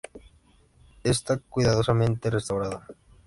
Está cuidadosamente restaurada.